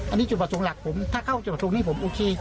อันนี้จุดประทุงหลักผมถ้าเข้าจุดประทวงนี้ผมโอเค